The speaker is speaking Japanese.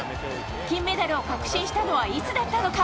金メダルを確信したのはいつだったのか。